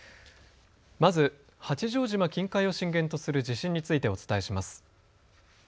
まず八丈島近海を震源とする地震についてお伝えします。